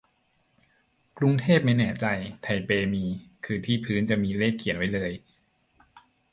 กรุงเทพไม่แน่ใจ ไทเปมี คือที่พื้นจะมีเลขเขียนไว้เลย